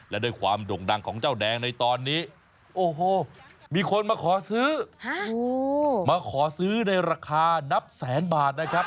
และด้วยความด่งดังของเจ้าแดงในตอนนี้โอ้โหมีคนมาขอซื้อมาขอซื้อในราคานับแสนบาทนะครับ